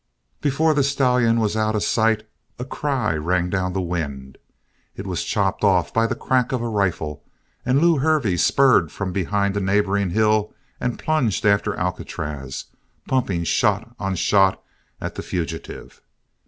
Before the stallion was out of sight, a cry rang down the wind. It was chopped off by the crack of a rifle, and Lew Hervey spurred from behind a neighboring hill and plunged after Alcatraz pumping shot on shot at the fugitive.